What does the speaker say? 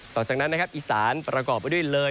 ต่อจากนั้นนะครับอีสานประกอบไปด้วยเลย